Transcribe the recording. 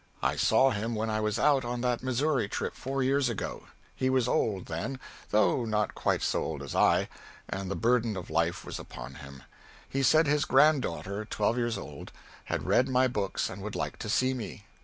I saw him when I was out on that Missouri trip four years ago. He was old then though not quite so old as I and the burden of life was upon him. He said his granddaughter, twelve years old, had read my books and would like to see me.